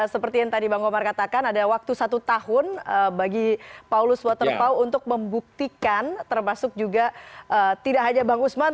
seperti yang tadi bang komar katakan ada waktu satu tahun bagi paulus waterpau untuk membuktikan termasuk juga tidak hanya bang usman